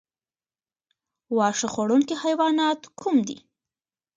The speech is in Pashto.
واښه خوړونکي حیوانات کوم دي؟